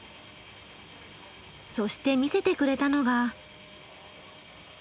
そして見せてくれたのが。